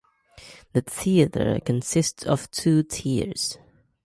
The theater consists of two tiers.